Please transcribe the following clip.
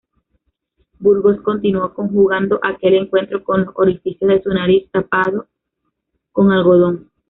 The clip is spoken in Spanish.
Burgos continuó jugando aquel encuentro con los orificios de su nariz tapados con algodón.